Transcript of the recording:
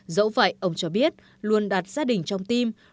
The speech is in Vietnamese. dẫu vậy ông cho biết luôn đặt gia đình trong tim